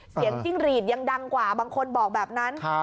จิ้งหรีดยังดังกว่าบางคนบอกแบบนั้น